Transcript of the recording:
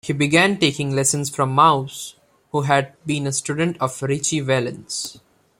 He began taking lessons from Maus, who had been a student of Ritchie Valens.